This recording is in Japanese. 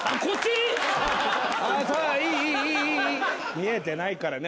見えてないからね